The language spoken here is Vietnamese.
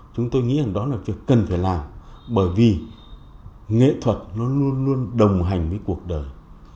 chúng tôi nghĩ rằng đó là việc cần phải làm bởi vì nghệ thuật luôn luôn đồng hành với cuộc đời